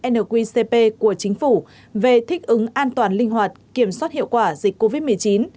một trăm hai mươi tám nqcp của chính phủ về thích ứng an toàn linh hoạt kiểm soát hiệu quả dịch covid một mươi chín